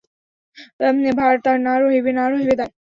ভার তার না রহিবে, না রহিবে দায়।